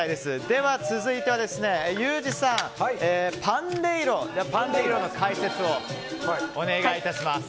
では続いてはユージさんパンデイロの解説をお願いします。